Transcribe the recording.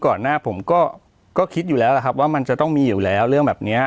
ก่อนหน้าผมก็คิดว่ามันต้องมีอยู่แล้วเรื่องแบบนี้